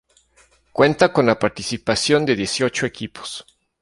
Cuenta con la participación de dieciocho equipos.